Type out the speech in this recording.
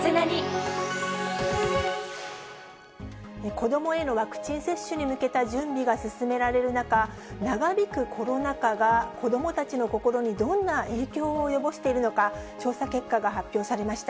子どもへのワクチン接種に向けた準備が進められる中、長引くコロナ禍が子どもたちの心にどんな影響を及ぼしているのか、調査結果が発表されました。